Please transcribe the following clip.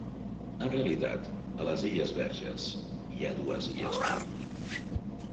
En realitat, a les illes Verges hi ha dues illes Buck.